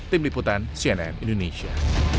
tim liputan cnn indonesia